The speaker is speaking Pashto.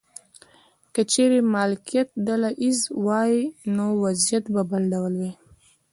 که چیرې مالکیت ډله ایز وای نو وضعیت به بل ډول و.